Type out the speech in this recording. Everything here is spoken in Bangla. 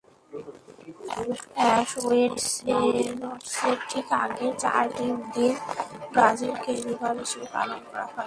অ্যাশ ওয়েডনেসডের ঠিক আগের চারটি দিন ব্রাজিলে কার্নিভ্যাল হিসেবে পালন করা হয়।